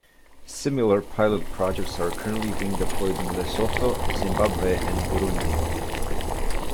Similar pilot projects are currently being deployed in Lesotho, Zimbabwe and Burundi.